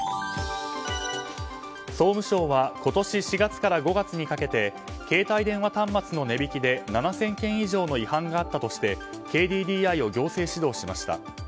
総務省は今年４月から５月にかけて携帯電話端末の値引きで７０００件以上の違反があったとしてＫＤＤＩを行政指導しました。